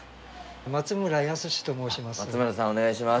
松村康史と申します。